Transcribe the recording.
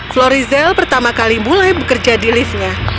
florizel pertama kali mulai bekerja di liftnya